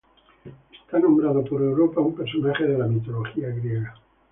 Está nombrado por Europa, un personaje de la mitología griega.